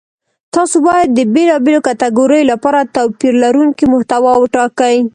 تاسو باید د بېلابېلو کتګوریو لپاره توپیر لرونکې محتوا وټاکئ.